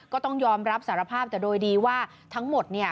ก็ต้องยอมรับสารภาพแต่โดยดีว่าทั้งหมดเนี่ย